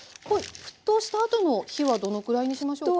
沸騰したあとの火はどのくらいにしましょうか。